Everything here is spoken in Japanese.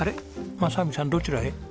正文さんどちらへ？